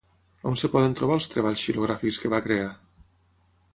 On es poden trobar els treballs xilogràfics que va crear?